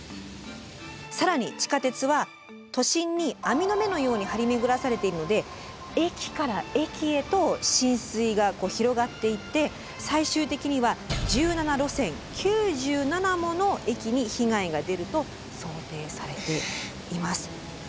更に地下鉄は都心に網の目のように張り巡らされているので駅から駅へと浸水が広がっていって最終的には１７路線９７もの駅に被害が出ると想定されています。